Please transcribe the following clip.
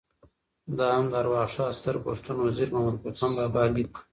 دا هم د ارواښاد ستر پښتون وزیر محمد ګل خان مومند بابا لیک: